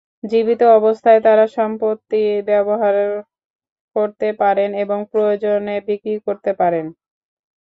জীবিত অবস্থায় তাঁরা সম্পত্তি ব্যবহার করতে পারেন এবং প্রয়োজনে বিক্রি করতে পারেন।